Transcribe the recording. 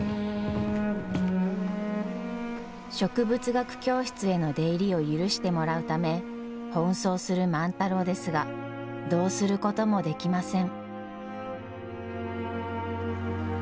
植物学教室への出入りを許してもらうため奔走する万太郎ですがどうすることもできません。